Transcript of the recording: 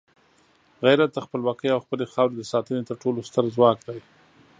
غیرت د خپلواکۍ او خپلې خاورې د ساتنې تر ټولو ستر ځواک دی.